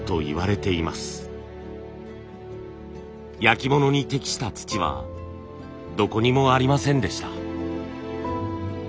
焼き物に適した土はどこにもありませんでした。